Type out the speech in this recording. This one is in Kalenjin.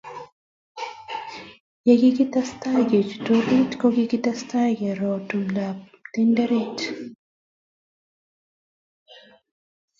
Ye kikitestai kechut orit ko kikitestai kero tumdo ab Tinderet